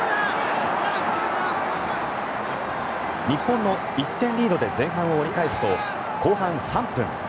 日本の１点リードで前半を折り返すと後半３分。